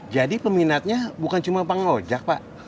jadi peminatnya bukan cuma pak ojak pak